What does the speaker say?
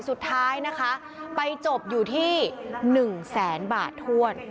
สุดท้ายนะคะไปจบอยู่ที่๑แสนบาทถ้วน